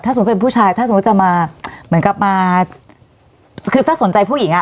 สมมุติเป็นผู้ชายถ้าสมมุติจะมาเหมือนกับมาคือถ้าสนใจผู้หญิงอ่ะ